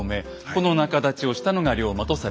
この仲立ちをしたのが龍馬とされてきました。